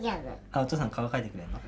お父さんの顔描いてくれるの？